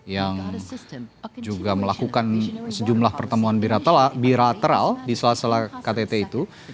yang juga melakukan sejumlah pertemuan bilateral di salah salah ktt itu